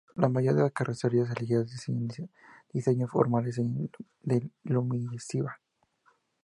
La mayoría de carrocerías elegidas seguían diseños "formales" de limusina.